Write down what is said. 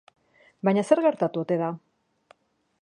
Baina zer gertatu ote da?